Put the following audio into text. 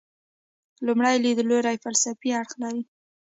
لومړی لیدلوری فلسفي اړخ لري.